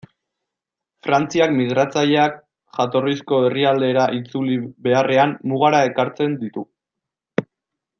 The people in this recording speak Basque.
Frantziak migratzaileak jatorrizko herrialdera itzuli beharrean, mugara ekartzen ditu.